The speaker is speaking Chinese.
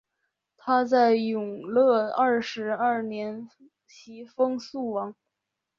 他在永乐二十二年袭封肃王。